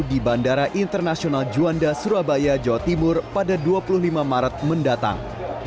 di bandara internasional juanda surabaya jawa timur pada dua puluh lima maret mendatang